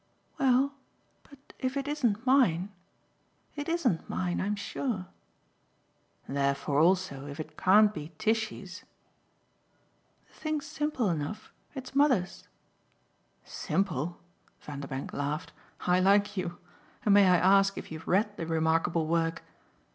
"Well, but if it isn't mine? It ISN'T mine, I'm sure." "Therefore also if it can't be Tishy's " "The thing's simple enough it's mother's." "'Simple'?" Vanderbank laughed. "I like you! And may I ask if you've read the remarkable work?"